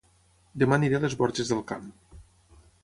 Dema aniré a Les Borges del Camp